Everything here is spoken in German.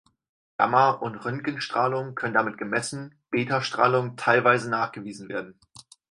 Gamma- und Röntgenstrahlung können damit gemessen, Beta-Strahlung teilweise nachgewiesen werden.